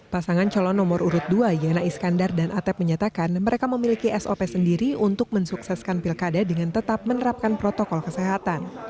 pasangan calon nomor urut dua yana iskandar dan atep menyatakan mereka memiliki sop sendiri untuk mensukseskan pilkada dengan tetap menerapkan protokol kesehatan